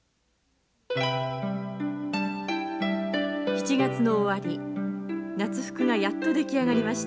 ７月の終わり夏服がやっと出来上がりました。